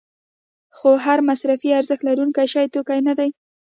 خو هر مصرفي ارزښت لرونکی شی توکی نه دی.